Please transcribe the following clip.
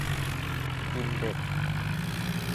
กินเด็ก